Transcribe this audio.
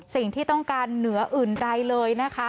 สิ่งที่ต้องการเหนืออื่นใดเลยนะคะ